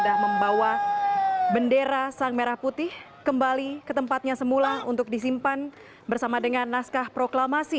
dan pembawa bendera sang merah putih kembali ke tempatnya semula untuk disimpan bersama dengan naskah proklamasi